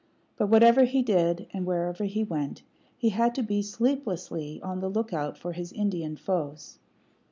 But whatever he did, and wherever he went, he had to be sleeplessly on the lookout for his Indian foes.